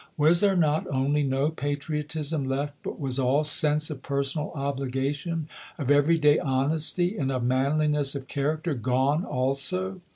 Was there not only no patriotism left, but was all sense of personal obligation, of every day honesty, and of manliness of character gone also